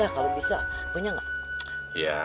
kalau bisa punya tidak